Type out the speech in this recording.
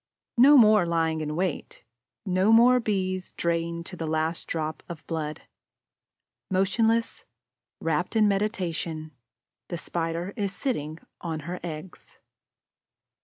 No more lying in wait, no more Bees drained to the last drop of blood. Motionless, rapt in meditation, the Spider is sitting on her eggs.